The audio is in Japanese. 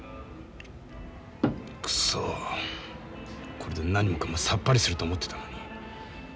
くそこれで何もかもさっぱりすると思ってたのに。